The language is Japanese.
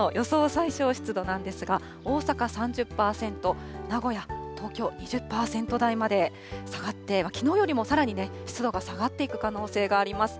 最小湿度なんですが、大阪３０％、名古屋、東京、２０％台まで下がって、きのうよりもさらにね、湿度が下がっていく可能性があります。